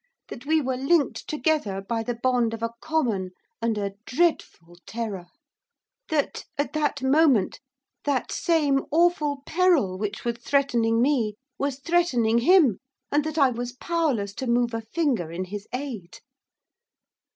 That we were linked together by the bond of a common, and a dreadful terror. That, at that moment, that same awful peril which was threatening me, was threatening him, and that I was powerless to move a finger in his aid.